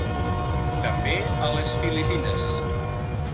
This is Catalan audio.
També a les Filipines.